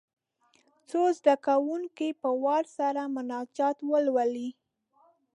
څو زده کوونکي په وار سره مناجات ولولي.